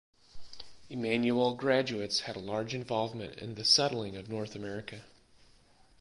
Emmanuel graduates had a large involvement in the settling of North America.